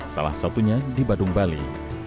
salah satunya di badung bali